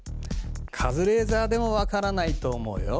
カズレーザーでも分からないと思うよ。